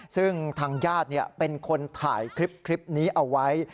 ซึ่งทางญาติเป็นคนถ่ายคลิปนี้เอาไว้